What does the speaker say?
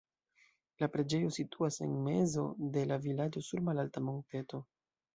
La preĝejo situas en mezo de la vilaĝo sur malalta monteto.